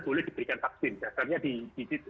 boleh diberikan vaksin dasarnya di situ